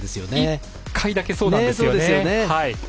１回だけそうなんですよね。